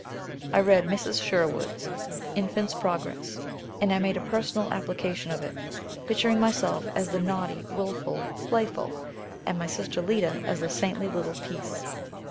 I read Mrs. Sherwood's "Infant's Progress," and I made a personal application of it, picturing myself as the naughty, willful "Playful," and my sister Lida as the saintly little "Peace."